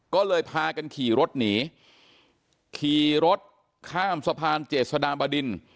ก็เลยพากันขี่รถหนีขี่รถข้ามสะพานเจษฎาบดิน